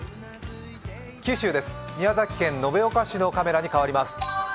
九州です、宮崎県延岡市のカメラに変わります。